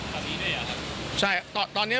อ๋อมันอยู่ที่แถวนี้ด้วยอ่ะครับ